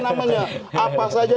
arogansi ini yang harus kita cegah